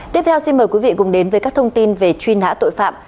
tiếp theo xin mời quý vị cùng đến với các thông tin về truy nã tội phạm